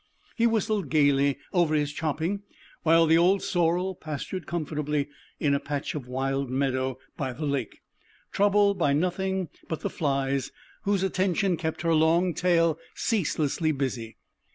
He whistled gaily over his chopping, while the old sorrel pastured comfortably in a patch of wild meadow by the lake, troubled by nothing but the flies, whose attention kept her long tail ceaselessly busy.